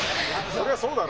そりゃそうだろ。